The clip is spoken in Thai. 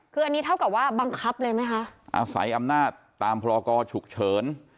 คืออันนี้เท่ากับว่าบังคับเลยไหมคะอาศัยอำนาจตามพรกรฉุกเฉิน